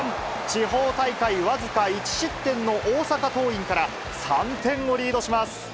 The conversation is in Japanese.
地方大会僅か１失点の大阪桐蔭から３点をリードします。